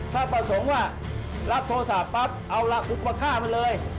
ถ้าประสงค์ว่ารับโทรศาสตร์ปั๊บเอารับอุปกรณ์มาฆ่ามันเลย